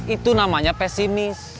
itu namanya pesimis